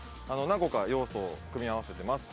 何個か要素を組み合わせてます。